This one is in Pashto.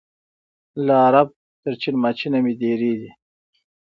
له عرب تر چین ماچینه مي دېرې دي